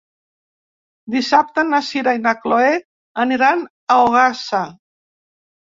Dissabte na Sira i na Chloé aniran a Ogassa.